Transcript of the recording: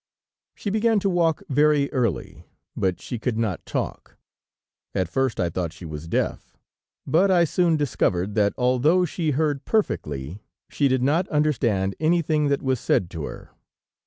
"She began to walk very early, but she could not talk. At first I thought she was deaf, but I soon discovered that although she heard perfectly, she did not understand anything that was said to her.